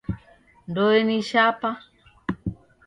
Ndoe ni shapa.